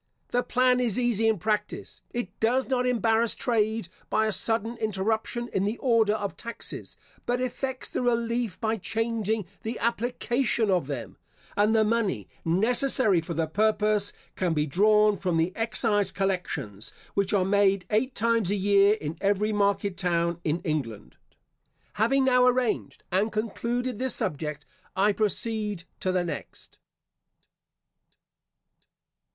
The plan is easy in practice. It does not embarrass trade by a sudden interruption in the order of taxes, but effects the relief by changing the application of them; and the money necessary for the purpose can be drawn from the excise collections, which are made eight times a year in every market town in England. Having now arranged and concluded this subject, I proceed to the next.